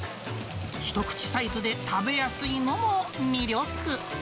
一口サイズで食べやすいのも魅力。